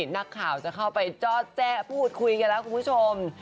นักข่าวจะเข้าไปจอดแจ๊พูดคุยกันแล้วคุณผู้ชม